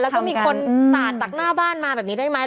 แล้วก็มีคนสาดจากหน้าบ้านมาแบบนี้ได้ไหม